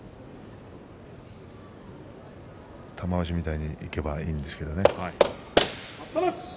玉鷲みたいにいけばいいんですけどね。